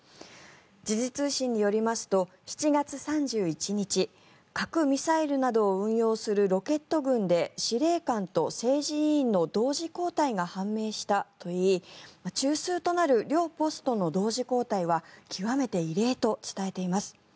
時事通信によりますと７月３１日核・ミサイルなどを運用するロケット軍で司令官と政治委員の同時交代が判明したといい中枢となる両ポストの同時交代は極めて異例と伝えています。